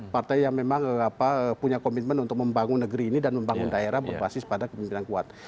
partai yang memang punya komitmen untuk membangun negeri ini dan membangun daerah berbasis pada kemimpinan kuat